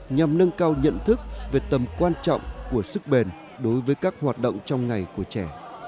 nhằm nâng cao nhận thức về tầm quan trọng của sức bền đối với các hoạt động trong ngày của trẻ